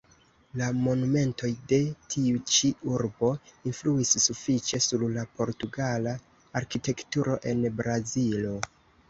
La monumentoj de tiu ĉi urbo influis sufiĉe sur la portugala arkitekturo en Brazilo.